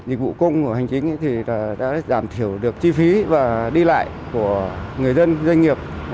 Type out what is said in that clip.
dịch vụ công hành chính đã giảm thiểu được chi phí và đi lại của người dân doanh nghiệp